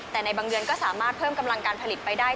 แต่ในบางเดือนก็สามารถเพิ่มกำลังการผลิตไปได้